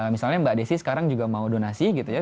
misalnya mbak desi sekarang juga mau donasi gitu ya